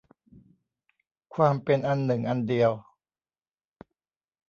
ความเป็นอันหนึ่งอันเดียว